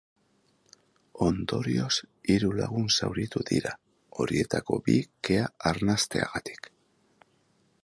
Ondorioz, hiru lagun zauritu dira, horietako bi kea arnasteagatik.